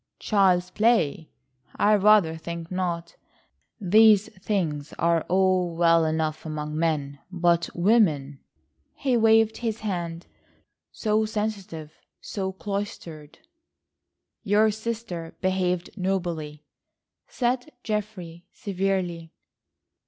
"Child's play! I rather think not. These things are all well enough among men, but women!" he waved his hand; "so sensitive, so cloistered!" "Your sister behaved nobly," said Geoffrey severely.